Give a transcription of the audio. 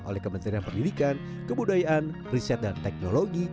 oleh kementerian pendidikan kebudayaan riset dan teknologi